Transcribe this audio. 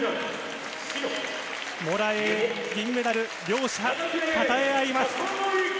モラエイ、銀メダル、両者たたえ合います。